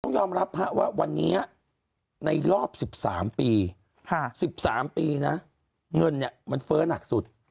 ยอมรับว่าวันนี้ในรอบ๑๓ปี๑๓ปีนะเงินเนี่ยมันเฟ้อหนักสุด